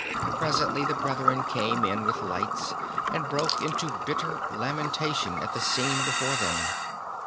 Presently the brethren came in with lights, and broke into bitter lamentation at the scene before them.